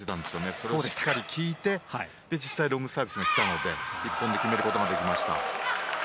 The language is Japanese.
それをしっかり聞いて実際ロングサービスがきたので１本で決めることができました。